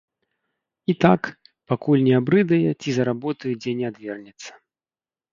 І так, пакуль не абрыдае ці за работаю дзе не адвернецца.